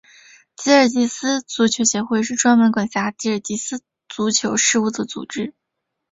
吉尔吉斯足球协会是专门管辖吉尔吉斯足球事务的组织。